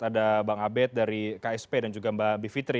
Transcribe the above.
ada bang abed dari ksp dan juga mbak bivitri